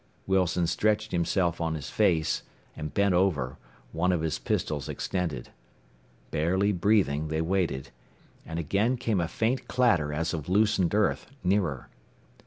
Wilson stretched himself on his face, and bent over, one of his pistols extended. Barely breathing, they waited, and again came a faint clatter as of loosened earth, nearer.